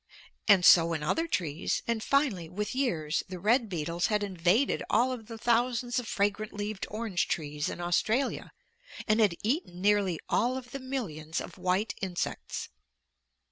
And so in other trees; and finally, with years, the red beetles had invaded all of the thousands of fragrant leaved orange trees in Australia, and had eaten nearly all of the millions of white insects.